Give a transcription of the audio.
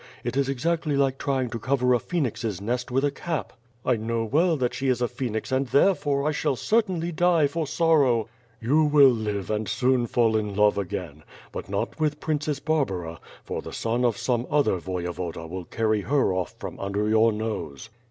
It is exactly like trying to cover a phoenix's nest with a cap." "I know well that she is a phoenix and therefore, I shall certainly die for sorrow." ^TTou will live and soon fall in love again, but not with Princess Barbara, for the son of some other Voyevoda will carry her off from under your nose."